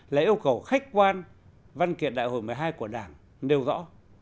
là yêu cầu khách quan văn kiện đại hội một mươi hai của đảng nêu rõ